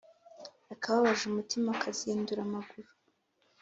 Akababaje umutima kazindura amaguru.